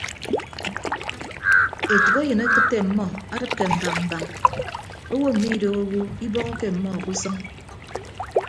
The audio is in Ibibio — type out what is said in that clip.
Etәkeyịn akịtte ọmmọ adịkke mbañ mbañ owo mmidooho owo ibọhọke ọmmọ ke usʌñ.